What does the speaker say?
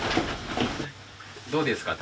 どうですか？